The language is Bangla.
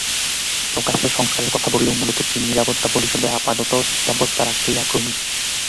প্রকাশ্যে সংস্কারের কথা বললেও মূলত চীন নিরাপত্তা পরিষদে আপাতত স্থিতাবস্থা রাখতেই আগ্রহী।